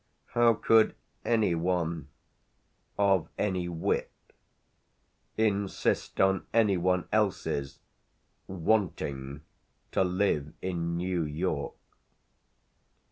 How could any one of any wit insist on any one else's "wanting" to live in New York?